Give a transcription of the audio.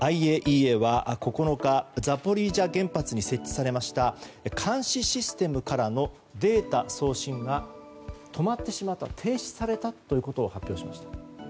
ＩＡＥＡは９日ザポリージャ原発に設置されました監視システムからのデータ送信が止まってしまった停止されたということを発表しました。